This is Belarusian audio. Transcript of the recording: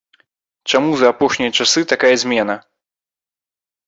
Чаму за апошнія часы такая змена?